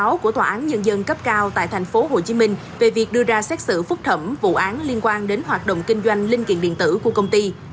thông báo của tòa án nhân dân cấp cao tại thành phố hồ chí minh về việc đưa ra xét xử phúc thẩm vụ án liên quan đến hoạt động kinh doanh linh kiện điện tử của công ty